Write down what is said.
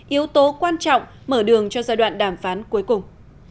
yếu tố quan trọng mở đường cho giai đoạn đàm phán cuối cùng